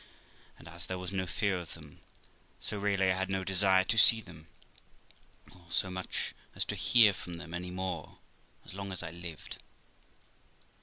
And, as there was no fear of them, so really I had no desire to see them, or so much as to hear from them any more as long as I lived.